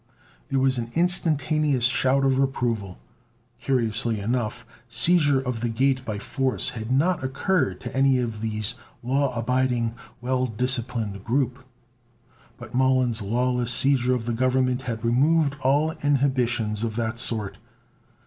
There was an instantaneous shout of approval. Curiously enough, seizure of the Gate by force had not occurred to any of this law abiding, well disciplined group. But Mollon's lawless seizure of the Government had removed all inhibitions of that sort.